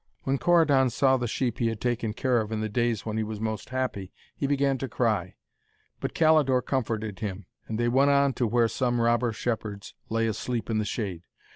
When Corydon saw the sheep he had taken care of in the days when he was most happy, he began to cry. But Calidore comforted him, and they went on to where some robber shepherds lay asleep in the shade.